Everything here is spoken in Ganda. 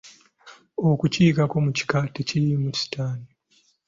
Okukiikako mu kika tekiriimu sitaani.